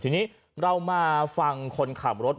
ทีนี้เรามาฟังคนขับรถ